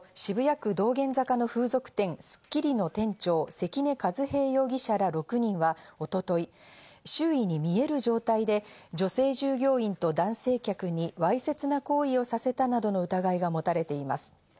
警視庁によりますと、渋谷区道玄坂の風俗店「スッキリ」の店長・関根和平容疑者ら６人は一昨日、周囲に見える状態で女性従業員と男性客に、わいせつな行為をさせたなどの疑いが持たれています。